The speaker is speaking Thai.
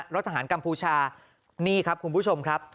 รถทหารกัมพูชานี่ครับคุณผู้ชมครับ